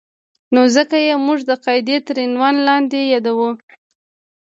نو ځکه یې موږ د قاعدې تر عنوان لاندې یادوو.